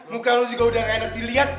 muka lu juga udah ga enak diliat